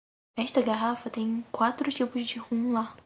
Esta garrafa tem quatro tipos de rum lá.